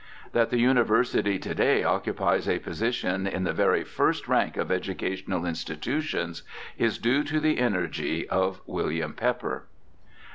That the University to day occupies a position in the very first rank of educational institu tions is due to the energy of William Pepper.